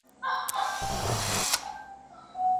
ښه علمي سند د دندې په موندلو کي مرسته وکړه.